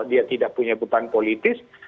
dia tidak punya beban politis